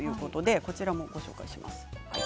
こちらもご紹介します。